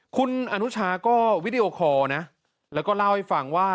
คุณอนุชาก็วิดีโอคอร์นะแล้วก็เล่าให้ฟังว่า